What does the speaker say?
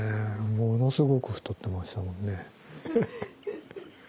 ものすごく太ってましたもんね。